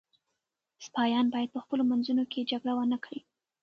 سپایان باید په خپلو منځونو کي جګړه ونه کړي.